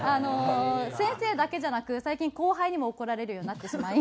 先生だけじゃなく最近後輩にも怒られるようになってしまい。